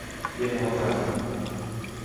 Je monogamní.